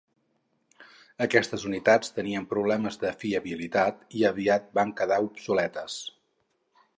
Aquestes unitats tenien problemes de fiabilitat i aviat van quedar obsoletes.